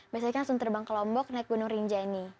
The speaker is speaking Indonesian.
biasanya langsung terbang ke lombok naik gunung rinjani